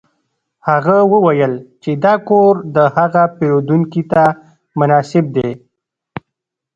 هغه وویل چې دا کور د هغه پیرودونکي ته مناسب دی